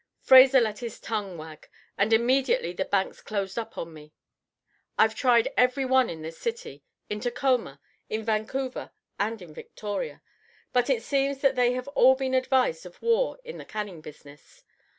"Fraser let his tongue wag, and immediately the banks closed up on me. I've tried every one in this city, in Tacoma, in Vancouver, and in Victoria, but it seems that they have all been advised of war in the canning business.